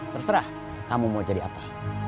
terserah kamu mau jadi apa